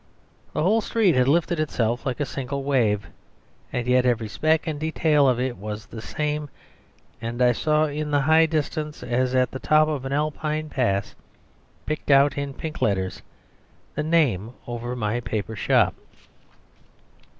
The whole street had lifted itself like a single wave, and yet every speck and detail of it was the same, and I saw in the high distance, as at the top of an Alpine pass, picked out in pink letters the name over my paper shop.